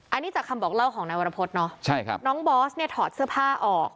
อันนี้จากคำบอกเล่าของนายวรพฤษเนอะใช่ครับน้องบอสเนี่ยถอดเสื้อผ้าออก